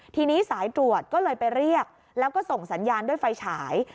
ทีนี้สายตรวจก็เลยไปเรียกแล้วก็ส่งสัญญาณด้วยไฟฉาย